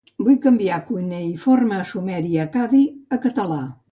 Vull canviar cuneïforme sumeri-accadi a català.